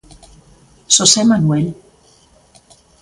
Xosé Manuel.